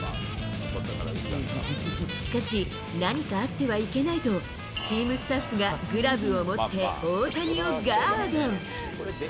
しかし、何かあってはいけないと、チームスタッフがグラブを持って、大谷をガード。